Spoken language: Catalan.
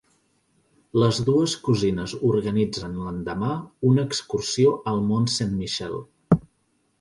Les dues cosines organitzen l'endemà una excursió al Mont Saint-Michel.